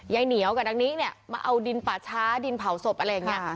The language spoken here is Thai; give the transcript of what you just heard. ยายเหนียวกับนางนิเนี่ยมาเอาดินป่าช้าดินเผาศพอะไรอย่างนี้